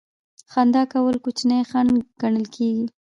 خندا کول کوچنی خنډ ګڼل کیږي.